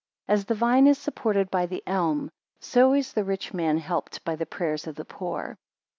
As the vine is supported by the elm, so is the rich man helped by the prayers of the poor.